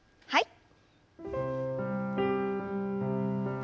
はい。